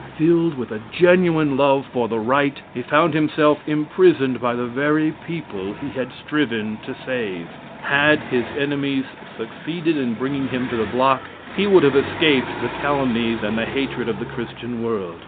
Filled with a genuine love for the right, he found himself imprisoned by the very people he had striven to save. Had his enemies succeeded in bringing him to the block, he would have escaped the calumnies and the hatred of the Christian world.